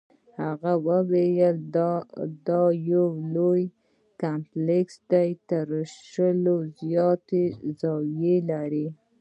هغه وویل دا یو لوی کمپلیکس دی او تر شلو زیاتې زاویې لري.